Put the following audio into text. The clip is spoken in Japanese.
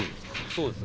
「そうです。